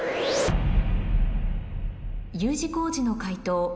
Ｕ字工事の解答